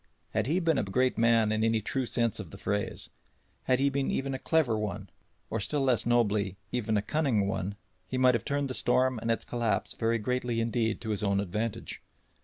Had he been a great man in any true sense of the phrase, had he been even a clever one, or still less nobly, even a cunning one, he might have turned the storm and its collapse very greatly indeed to his own advantage.